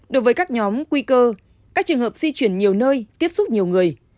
đối với các nhóm nguy cơ các trường hợp di chuyển nhiều nơi tiếp xúc nhiều người